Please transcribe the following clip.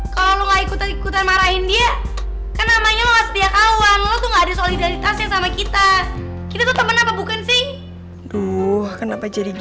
kita pasti penang